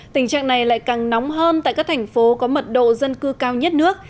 tình trạng này lại càng nóng hơn tại các thành phố có mật độ dân cư cao nhất nước